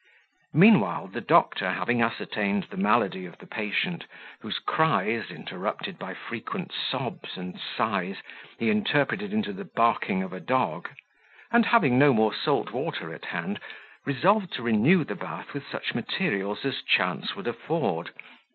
Meanwhile, the doctor having ascertained the malady of the patient, whose cries, interrupted by frequent sobs and sighs, he interpreted into the barking of a dog, and having no more salt water at hand, resolved to renew the bath with such materials as chance would afford.